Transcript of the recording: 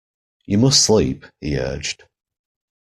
You must sleep, he urged.